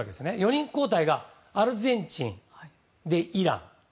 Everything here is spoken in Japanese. ４人交代がアルゼンチン、イラン。